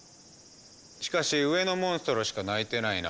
しかし上のモンストロしか鳴いてないな。